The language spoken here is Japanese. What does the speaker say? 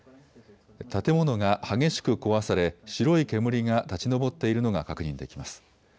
建物が激しく壊され白い煙が立ち上っているのが確認できます。